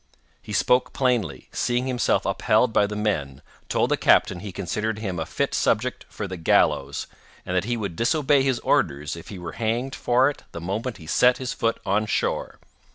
He spoke plainly, seeing himself upheld by the men, told the captain he considered him a fit subject for the gallows, and that he would disobey his orders if he were hanged for it the moment he set his foot on shore.